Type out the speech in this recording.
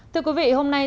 thưa quý vị hôm nay